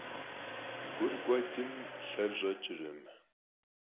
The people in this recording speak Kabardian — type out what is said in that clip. Gur k'uedım lher ş'eç'ırkhım.